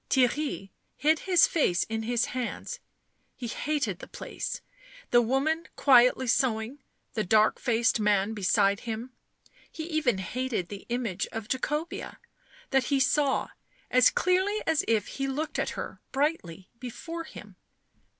Theirry hid his face in his hands ; he hated the place, the woman quietly sewing, the dark faced man beside him ; he even hated the image of Jacobea, that he saw, as clearly as if he looked at her, brightly before him.